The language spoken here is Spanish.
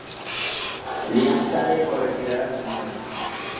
Liam sale por retirar a su madre.